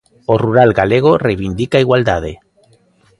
O rural galego reivindica a igualdade.